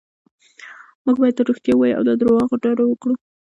موږ باید تل رښتیا ووایو او له درواغو ډډه وکړو.